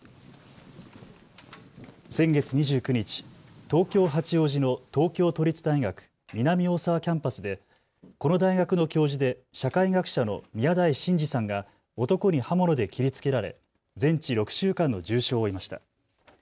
先月２９日、東京八王子の東京都立大学南大沢キャンパスでこの大学の教授で社会学者の宮台真司さんが男に刃物で切りつけられ全治６週間の重傷を負いました。